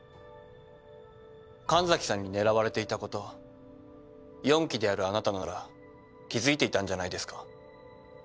神崎さんに狙われていたこと四鬼であるあなたなら気付いていたんじゃないですか？